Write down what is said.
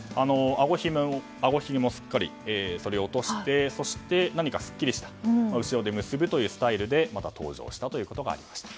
あごひげもすっかりそり落としてそして、何かすっきりした後ろで結ぶというスタイルで登場したということがありました。